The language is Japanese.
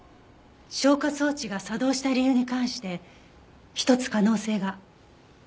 消火装置が作動した理由に関して一つ可能性が。